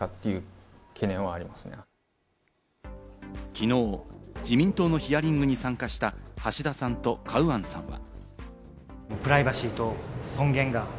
きのう自民党のヒアリングに参加した橋田さんとカウアンさんは。